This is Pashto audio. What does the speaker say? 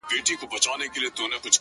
• د مرګي لښکري بند پر بند ماتیږي,